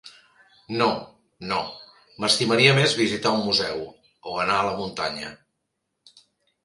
No, no, m'estimaria més visitar un museu, o anar a la muntanya.